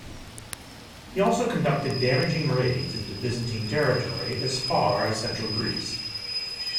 He also conducted damaging raids into Byzantine territory as far as central Greece.